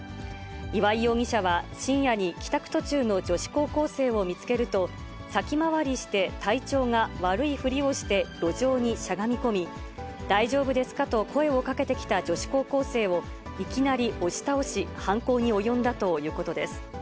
岩井容疑者は、深夜に帰宅途中の女子高校生を見つけると、先回りして体調が悪いふりをして路上にしゃがみ込み、大丈夫ですかと声をかけてきた女子高校生をいきなり押し倒し、犯行に及んだということです。